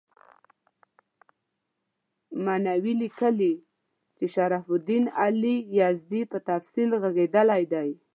مینوي لیکي چې شرف الدین علي یزدي په تفصیل ږغېدلی دی.